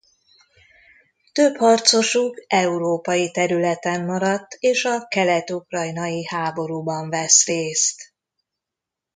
Több harcosuk európai területen maradt és a kelet-ukrajnai háborúban vesz részt.